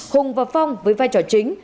hùng và phong với vai trò chính